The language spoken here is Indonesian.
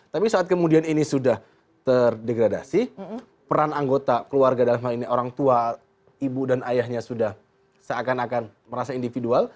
tapi saat kemudian ini sudah terdegradasi peran anggota keluarga dalam hal ini orang tua ibu dan ayahnya sudah seakan akan merasa individual